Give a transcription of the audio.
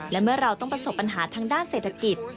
และเมื่อเราต้องประสบปัญหาทางด้านเศรษฐกิจ